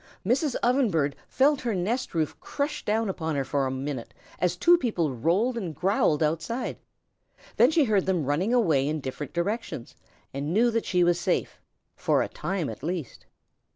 Mrs. Ovenbird felt her nest roof crush down upon her for a minute as two people rolled and growled outside. Then she heard them running away in different directions and knew that she was safe, for a time at least.